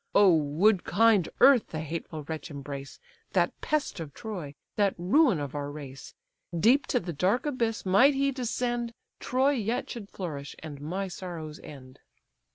Oh, would kind earth the hateful wretch embrace, That pest of Troy, that ruin of our race! Deep to the dark abyss might he descend, Troy yet should flourish, and my sorrows end."